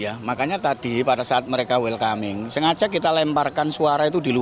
ya makanya tadi pada saat mereka welcoming sengaja kita lemparkan suara